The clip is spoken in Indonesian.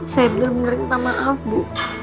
saya belum menerima maaf bu